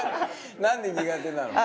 何で苦手なの？